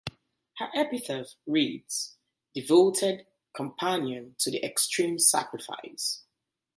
Her epitaph reads: Devoted companion to the extreme sacrifice.